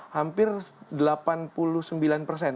hampir delapan puluh sembilan persen